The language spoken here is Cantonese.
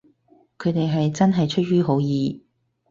佢哋係真係出於好意